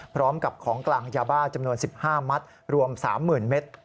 พร้อมกับของกลางยาบ้าจำนวน๑๕มัตต์รวม๓๐๐๐เมตร